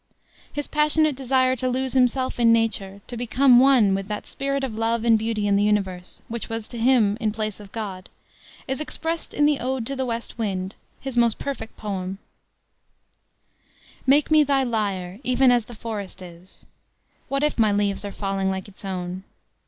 His passionate desire to lose himself in Nature, to become one with that spirit of love and beauty in the universe, which was to him in place of God, is expressed in the Ode to the West Wind, his most perfect poem: "Make me thy lyre, even as the forest is; What if my leaves are falling like its own!